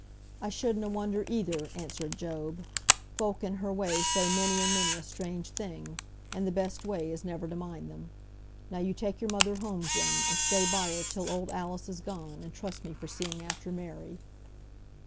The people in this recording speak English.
"I should na wonder, either," answered Job. "Folk in her way say many and many a strange thing; and th' best way is never to mind them. Now you take your mother home, Jem, and stay by her till old Alice is gone, and trust me for seeing after Mary."